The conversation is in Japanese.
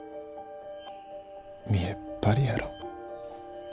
見えっ張りやろ。